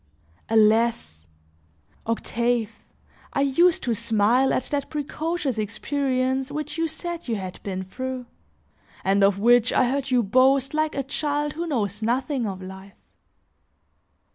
Alas! Octave, I used to smile at that precocious experience which you said you had been through, and of which I heard you boast like a child who knows nothing of life.